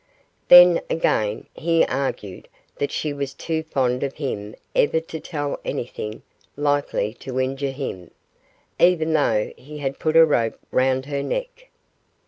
Then, again, he argued that she was too fond of him ever to tell anything likely to injure him, even though he had put a rope round her neck.